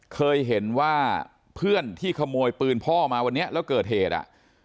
เคยเห็นว่าเพื่อนที่ขโมยปืนพ่อมาวันนี้แล้วเกิดเหตุอ่ะ